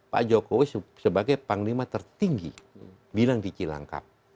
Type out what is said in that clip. pak jokowi sebagai panglima tertinggi bilang di cilangkap